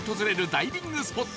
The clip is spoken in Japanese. ダイビングスポット